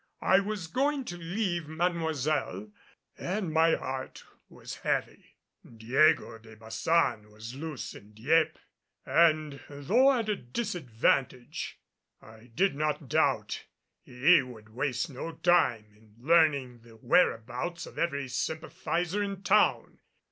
I was going to leave Mademoiselle and my heart was heavy. Diego de Baçan was loose in Dieppe, and though at a disadvantage, I did not doubt he would waste no time in learning the whereabouts of every sympathizer in the town.